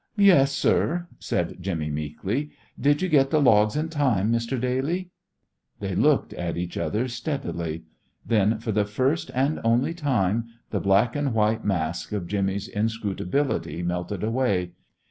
"Yes, sir," said Jimmy, meekly. "Did you get the logs in time, Mr. Daly?" They looked at each other steadily. Then, for the first and only time, the black and white mask of Jimmy's inscrutability melted away.